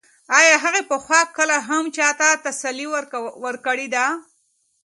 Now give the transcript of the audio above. ایا هغې پخوا کله هم چا ته تسلي ورکړې ده؟